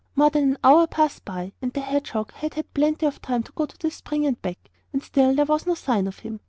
More than an hour passed by and the hedgehog had had plenty of time to go to the spring and back, and still there was no sign of him.